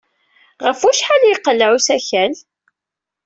Ɣef wacḥal ay iqelleɛ usakal?